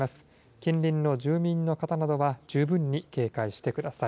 近隣の住民の方などは十分に警戒してください。